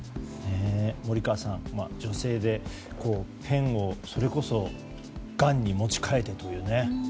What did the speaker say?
森川さん、女性でペンをそれこそガンに持ち替えてというね。